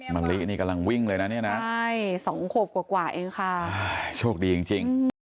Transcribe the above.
มะลินี่กำลังวิ่งเลยนะเนี่ยนะใช่สองขวบกว่าเองค่ะโชคดีจริง